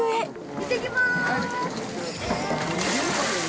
いってきます。